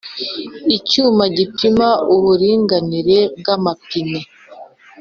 Icyuma gipima uburinganire bw’amapine.